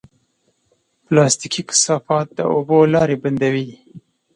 پلاستيکي کثافات د اوبو لارې بندوي.